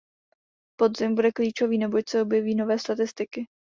Podzim bude klíčový, neboť se objeví nové statistiky.